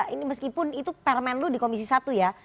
ini meskipun itu permen lu di komisi satu ya